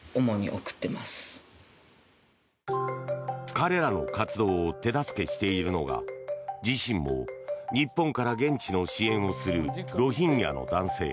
彼らの活動を手助けしているのが自身も日本から現地の支援をするロヒンギャの男性